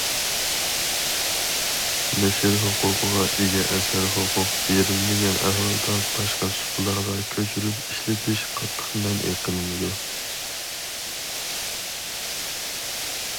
نەشر ھوقۇقىغا ئىگە ئەسەر ھوقۇق بېرىلمىگەن ئەھۋالدا باشقا سۇپىلارغا كۆچۈرۈپ ئىشلىتىش قاتتىق مەنئى قىلىنىدۇ.